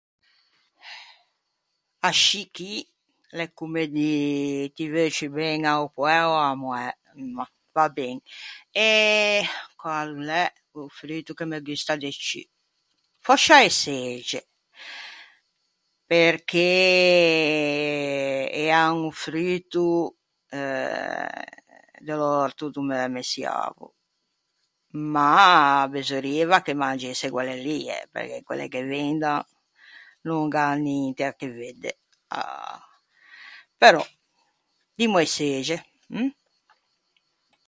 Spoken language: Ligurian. Ascì chì l’é comme dî «ti veu ciù ben a-o poæ ò a-a moæ», ma va ben. Eh... quæ o l’é o fruto che me gusta de ciù. Fòscia e çexe, perché ean o fruto eh de l’òrto do mæ messiavo. Ma besorrieiva che mangesse quelle lie, perché quelle che vendan no gh’an ninte à che vedde. Però, dimmo e çexe, mh?